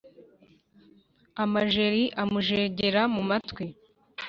amajeri amujegera mu matwi